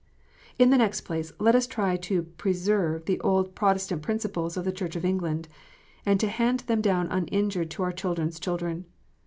(3) In the next place, let us try to preserve the Old Protest ant principles of the Church of England, and to hand them down uninjured to our children s children.